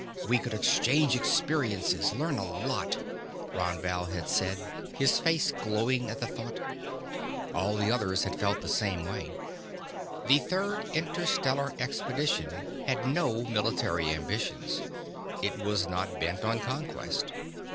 We could exchange experiences, learn a lot," Ron Val had said, his face glowing at the thought. All the others had felt the same way. The Third Interstellar Expedition had no military ambitions. It was not bent on conquest.